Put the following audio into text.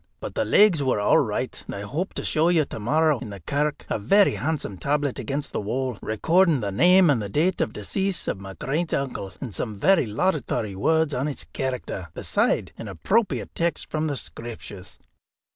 But the legs were all right. And I hope to show you to morrow, in the kirk, a very handsome tablet against the wall, recording the name and the date of decease of my great uncle, and some very laudatory words on his character, beside an appropriate text from the Screeptures."